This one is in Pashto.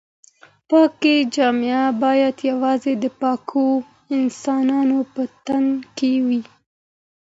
پاکې جامې باید یوازې د پاکو انسانانو په تن کې وي.